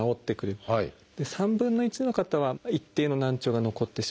３分の１の方は一定の難聴が残ってしまう。